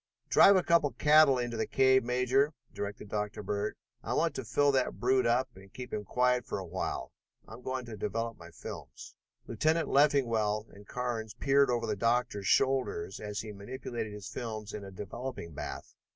"Drive a couple of cattle into the cave, Major," directed Dr. Bird. "I want to fill that brute up and keep him quiet for a while. I'm going to develop my films." Lieutenant Leffingwell and Carnes peered over the doctor's shoulders as he manipulated his films in a developing bath.